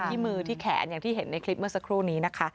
ที่มือที่แขนอย่างที่เห็นในคลิปเมื่อสักครู่นี้นะคะ